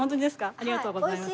ありがとうございます。